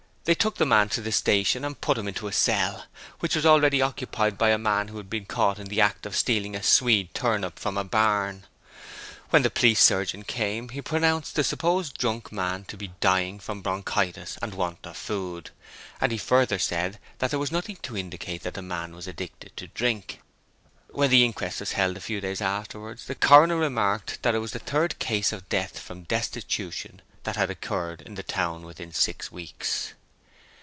They took the man to the station and put him into a cell, which was already occupied by a man who had been caught in the act of stealing a swede turnip from a barn. When the police surgeon came he pronounced the supposed drunken man to be dying from bronchitis and want of food; and he further said that there was nothing to indicate that the man was addicted to drink. When the inquest was held a few days afterwards, the coroner remarked that it was the third case of death from destitution that had occurred in the town within six weeks.